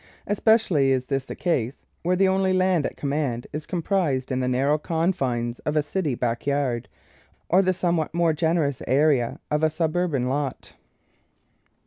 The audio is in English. Especially is this the case where the only land at command is comprised in the narrow confines of a city back yard or the somewhat more generous area of a suburban lot.